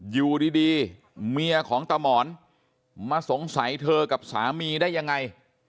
อยู่ดีเมียของตามอนมาสงสัยเธอกับสามีได้ยังไง